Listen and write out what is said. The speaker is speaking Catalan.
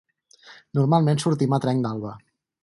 Normalment sortim a trenc d'alba.